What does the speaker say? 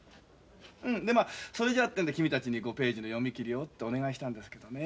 うんでまあそれじゃあってんで君たちに５ページの読み切りをってお願いしたんですけどね。